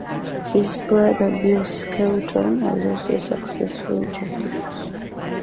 His brother Bill Skelton was also a successful jockey.